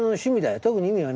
特に意味はねえよ。